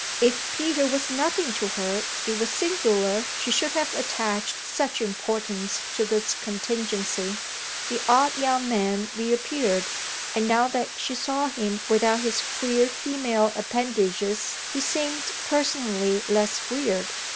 If Peter was nothing to her it was singular she should have attached such importance to this contingency. The odd young man reappeared, and now that she saw him without his queer female appendages he seemed personally less weird.